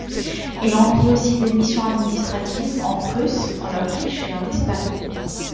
Il remplit aussi des missions administratives en Prusse, en Autriche et en Espagne.